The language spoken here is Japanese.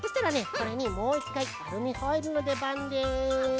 これにもういっかいアルミホイルのでばんです。